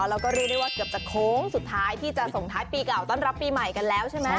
แล้วก็เรียกได้ว่าเกือบจะโค้งสุดท้ายที่จะส่งท้ายปีเก่าต้อนรับปีใหม่กันแล้วใช่ไหม